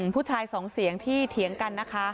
ผู้ชายสองเสียงที่เถียงกันนะคะ